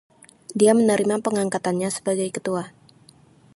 Dia menerima pengangkatannya sebagai ketua.